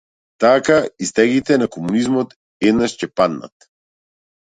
Така и стегите на комунизмот еднаш ќе паднат.